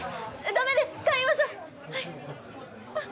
ダメです帰りましょうはいあっ